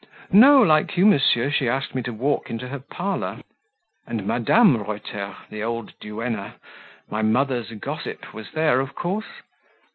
"No; like you, monsieur, she asked me to walk into her parlour." "And Madame Reuter the old duenna my mother's gossip, was there, of course?"